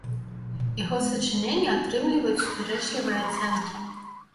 Яго сачыненні атрымліваюць супярэчлівыя ацэнкі.